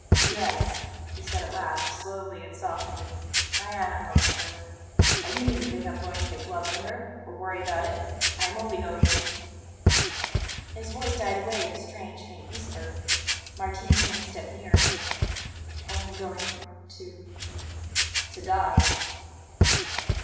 "Yes," he said at last, slowly and softly. "I am in love with her. But you needn't think I am going to make love to her, or worry about it. I am only going to " His voice died away in a strange, faint whisper. Martini came a step nearer. "Only going to " "To die."